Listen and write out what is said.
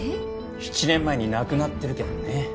７年前に亡くなってるけどね。